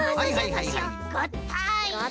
がったい！